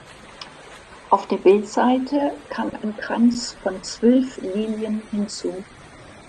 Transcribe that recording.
Auf der Bildseite kam ein Kranz von zwölf Lilien hinzu.